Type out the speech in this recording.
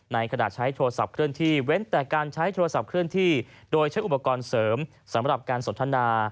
ในขณะใช้โทรศัพท์เคลื่อนที่เว้นแต่การใช้โทรศัพท์เคลื่อนที่โดยใช้อุปกรณ์เสริมสำหรับการสนทนา